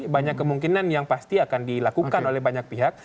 banyak kemungkinan yang pasti akan dilakukan oleh banyak pihak